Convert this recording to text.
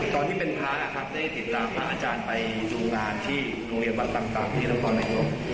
ตอนที่เป็นพระครับได้ติดลาพระอาจารย์ไปดูร้านที่โรงเรียนบัตรต่างที่แล้วก็ไหนก่อน